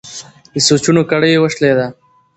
د سوچونو کړۍ یې وشلېده.